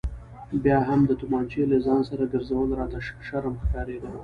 بیا هم د تومانچې له ځانه سره ګرځول راته شرم ښکارېده.